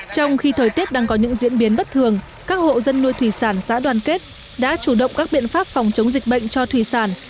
trong khi thời tiết đang có những diễn biến bất thường các hộ dân nuôi thủy sản xã đoàn kết đã chủ động các biện pháp phòng chống dịch bệnh cho thủy sản